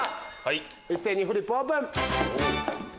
一斉にフリップオープン！